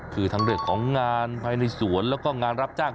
คือทั้งเรื่องของงานภายในสวนแล้วก็งานรับจ้าง